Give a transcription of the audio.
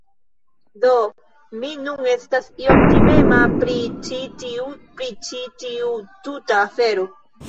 Do, mi nun estas iom timema pri ĉi tiu... pri ĉi tiu tuta afero.